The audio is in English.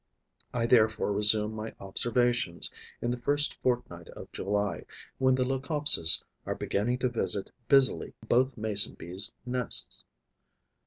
I therefore resume my observations in the first fortnight of July, when the Leucopses are beginning to visit busily both Mason bee's nests.